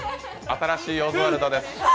新しいオズワルドです。